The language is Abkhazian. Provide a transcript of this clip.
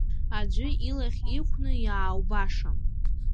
Аӡәы илахь еиқәны иааубашам.